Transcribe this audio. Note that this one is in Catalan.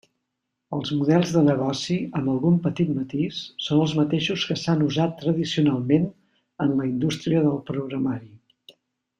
Els models de negoci, amb algun petit matís, són els mateixos que s'han usat tradicionalment en la indústria del programari.